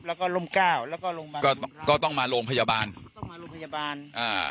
แล้วก็รมเกล้าแล้วก็ต้องมาโรงพยาบาลต้องมาโรงพยาบาลอ่า